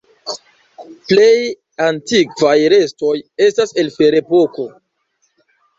Plej antikvaj restoj estas el Ferepoko.